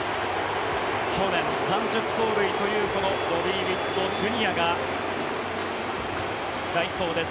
去年、３０盗塁というこのボビー・ウィットＪｒ．が代走です。